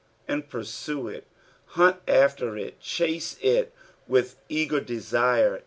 " And purine if." Hunt after it, chase it with eager desire.